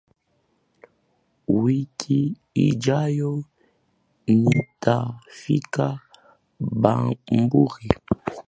Wiki ijayo nitafika Bamburi